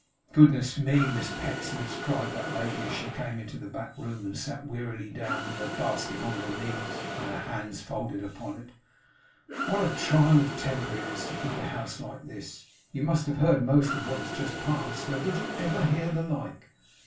'Goodness me, Miss Pecksniffs!' cried that lady, as she came into the back room, and sat wearily down, with her basket on her knees, and her hands folded upon it, 'what a trial of temper it is to keep a house like this! You must have heard most of what has just passed. Now did you ever hear the like?